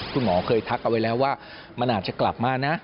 คุณหมอเคยทักเอาไว้แล้วว่ามันอาจจะกลับมานะ